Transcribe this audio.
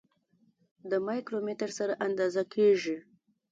د مایکرومتر سره اندازه کیږي.